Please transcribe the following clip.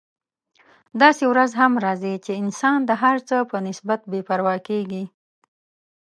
داسې ورځ هم راځي چې انسان د هر څه په نسبت بې پروا کیږي.